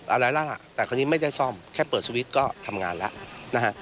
อะไรแล้วล่ะแต่คราวนี้ไม่ได้ซ่อมแค่เปิดสวิตช์ก็ทำงานแล้วนะฮะ